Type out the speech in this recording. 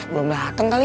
belum dateng kali